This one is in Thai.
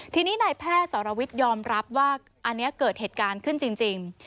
ทีนี้นายแพทย์สรวิทยอมรับว่าอันนี้เกิดเหตุการณ์ขึ้นจริง